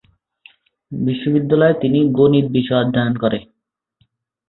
বিশ্ববিদ্যালয়ে তিনি গণিত বিষয়ে অধ্যয়ন করেন।